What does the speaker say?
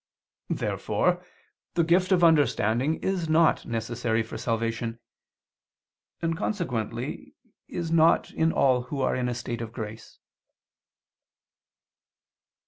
Therefore the gift of understanding is not necessary for salvation: and, consequently, is not in all who are in a state of grace.